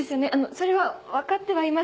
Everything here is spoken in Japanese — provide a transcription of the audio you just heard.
それは分かってはいます。